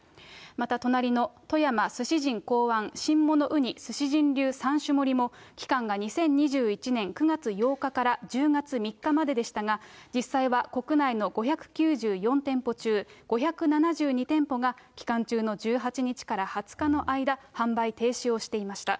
また、隣のとやま鮨し人考案新物うに鮨し人３種盛も、期間が２０２１年９月８日から１０月３日まででしたが、実際は国内の５９４店舗中５７２店舗が期間中の１８日から２０日の間、販売停止をしていました。